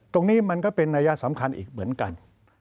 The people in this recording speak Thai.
ตรงนี้มันก็เป็นนัยสำคัญอีกเหมือนกัน